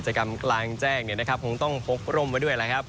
ทำกิจกรรมกลางแจ้งเนี่ยนะครับคงต้องหกลมไว้ด้วยนะครับ